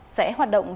sẽ hoạt động